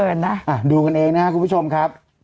อ่ะดูกันเองนะครับคุณผู้ชมครับ